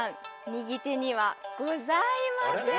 右手にはございません。